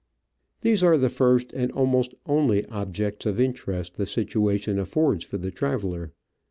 These are the first and almost only objects of interest the situation affords for the traveller.